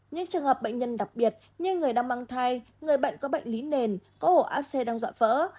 những trường hợp bệnh nhân đặc biệt như người đang mang thai người bệnh có bệnh lý nền có ổ áp xe đang dọa vỡ